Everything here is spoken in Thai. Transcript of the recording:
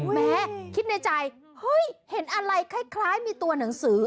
แม้คิดในใจเฮ้ยเห็นอะไรคล้ายมีตัวหนังสือ